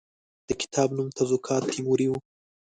د کتاب نوم تزوکات تیموري وو.